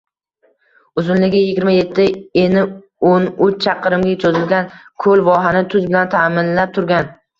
Uzunligi yigirma yetti, eni oʻn uch chaqirimga choʻzilgan koʻl vohani tuz bilan taʼminlab turgan